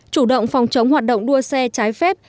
chủ động phòng chống hoạt động đua xe trái phép